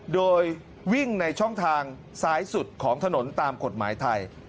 โดยวิ่งในช่องทางซ้ายสุดของถนนตามกฎหมายไทย